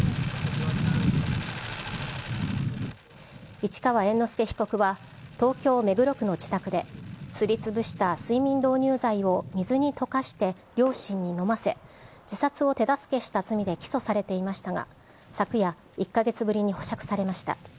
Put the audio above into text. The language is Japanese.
市川猿之助被告は、東京・目黒区の自宅で、すりつぶした睡眠導入剤を水にとかして両親に飲ませ、自殺を手助けした罪で起訴されていましたが、昨夜、１か月ぶりに保釈されました。